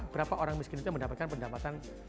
berapa orang miskin itu yang mendapatkan pendapatan